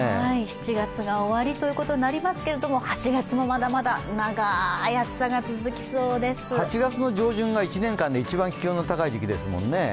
７月が終わりということになりますけど、８月もまだまだ８月の上旬が１年間で一番気温の高い時期ですもんね。